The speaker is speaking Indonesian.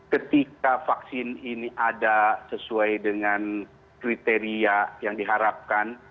ketika vaksin ini ada sesuai dengan kriteria yang diharapkan